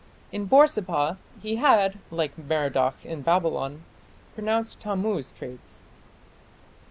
In Borsippa he had, like Merodach in Babylon, pronounced Tammuz traits.